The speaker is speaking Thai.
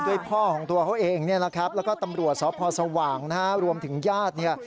ด้วยพ่อของตัวเขาเองแล้วก็ตำรวจสศสว่างรวมถึงญาติ